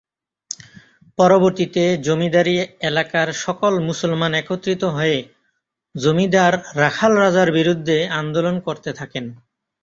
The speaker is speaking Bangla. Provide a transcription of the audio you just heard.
পরবর্তীতে জমিদারী এলাকার সকল মুসলমান একত্রিত হয়ে জমিদার রাখাল রাজার বিরুদ্ধে আন্দোলন করতে থাকেন।